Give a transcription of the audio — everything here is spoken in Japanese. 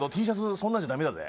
そんなんじゃ駄目だぜ。